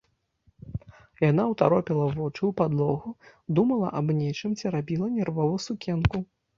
Яна ўтаропіла вочы ў падлогу, думала аб нечым, церабіла нервова сукенку.